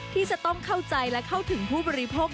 ที่จะต้องเข้าใจและเข้าถึงผู้บริโภค